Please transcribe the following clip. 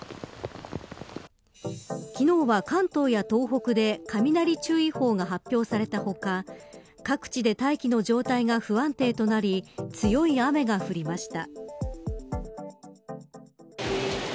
昨日は関東や東北で雷注意報が発表された他各地で大気の状態が不安定となり強い雨が降りました。